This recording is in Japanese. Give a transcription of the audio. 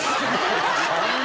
そんな？